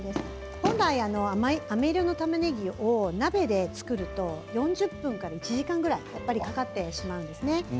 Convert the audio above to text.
本来、あめ色たまねぎを鍋で作ると４０分から１時間くらいかかってしまうんですね。